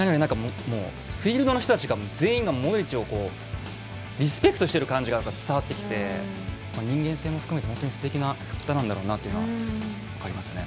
フィールドの人たちが全員モドリッチをリスペクトしている感じが伝わってきて、人間性も含めて本当にすてきな方なんだなというのが分かりますね。